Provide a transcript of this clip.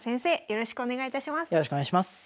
よろしくお願いします。